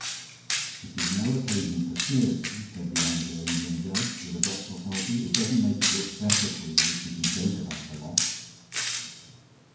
"It is no occasion for sneering," said the Anglo Indian judge, with abrupt authority. "It doesn't make it look better for you that you can joke about the loss."